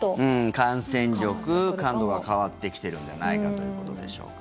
感染力、感度が変わってきてるんじゃないかということでしょうか。